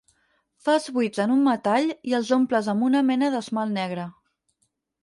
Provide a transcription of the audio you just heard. Fas buits en un metall i els omples amb una mena d'esmalt negre.